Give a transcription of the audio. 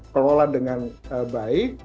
pelola dengan baik